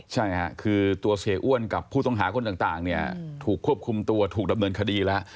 ใช่ค่ะคือตัวเสียอ้วนกับผู้ต้องหาคนต่างเนี่ยถูกควบคุมตัวถูกดำเนินคดีแล้ว